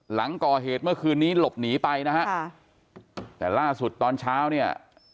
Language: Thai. หลังก่อเหตุเมื่อคืนนี้หลบหนีไปนะฮะค่ะแต่ล่าสุดตอนเช้าเนี่ย